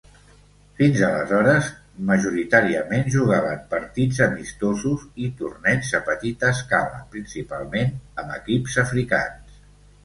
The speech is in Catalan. Fins aleshores, majoritàriament jugaven partits amistosos i torneigs a petita escala, principalment amb equips africans.